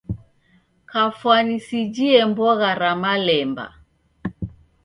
Kafwani sijie mbogha ra malemba.